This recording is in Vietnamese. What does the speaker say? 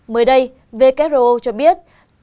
mới đây vkro cho biết